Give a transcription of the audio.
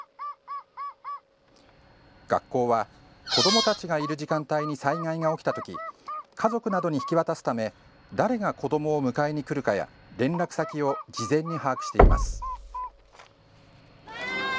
学校は、子どもたちがいる時間帯に災害が起きたとき家族などに引き渡すため誰が子どもを迎えに来るかや連絡先を事前に把握しています。